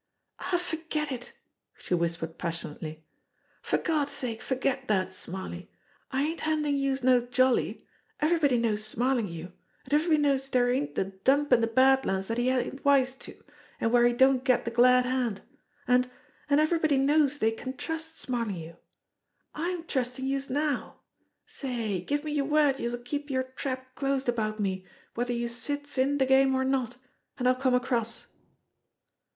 "Aw, forget it !" she whispered passionately. "For Gawd's sake forget dat, Smarly. I ain't handin' youse no jolly. Everybody knows Smarlinghue ; an' everybody knows dere ain't a dump in de Bad Lands dat he ain't wise to, an' where he don't get de glad hand. An' an' everybody knows dey can trust Smarlinghue. I'm trustin' youse now. Say, give me yer word youse'll keep yer trap closed about me whether youse sits in de game or not, an' I'll come across."